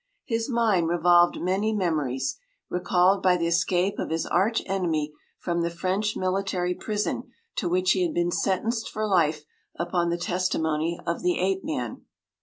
His mind revolved many memories, recalled by the escape of his arch enemy from the French military prison to which he had been sentenced for life upon the testimony of the ape man.